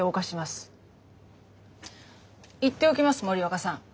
言っておきます森若さん。